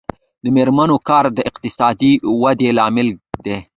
د میرمنو کار د اقتصادي ودې لامل دی.